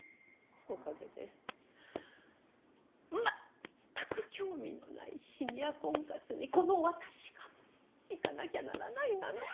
おかげでまったく興味のないシニア婚活にこの私が行かなきゃならないなんて。